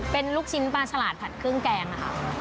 เป็นลูกชิ้นปลาฉลาดผัดเครื่องแกงค่ะ